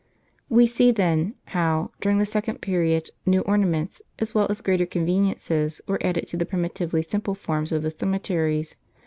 We see, then, how, during the second period, new orna ments, as well as greater conveniences, were added to the primitively simple forms of the cemeteries.